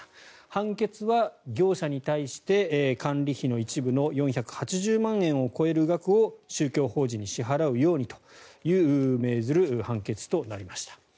判決は業者に対して管理費の一部の４８０万円を超える額を宗教法人に支払うようにと命じる判決となりました。